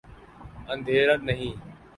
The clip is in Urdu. اندھیر نہیں۔